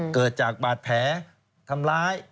เกิดจากบาดแผลทำร้าย